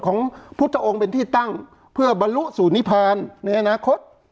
ของพุทธองค์เป็นที่ตั้งเพื่อบรรลุสู่นิพานในอนาคต